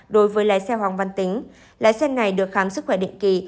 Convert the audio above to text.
đối với lái xe hoàng văn tính lái xe này được khám sức khỏe định kỳ